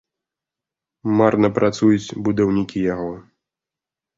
Марна працуюць будаўнікі яго.